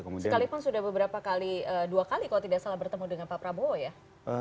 sekalipun sudah beberapa kali dua kali kalau tidak salah bertemu dengan pak prabowo ya